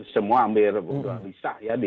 semua hampir bisa ya